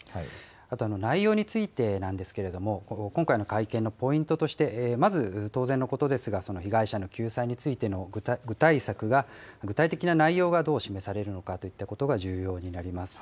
あと、内容についてなんですけれども、今回の会見のポイントとして、まず当然のことですが、被害者の救済についての具体策が、具体的な内容がどう示されるのかといったことが重要になります。